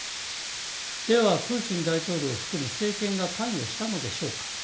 ではプーチン大統領を含む政権が関与したのでしょうか。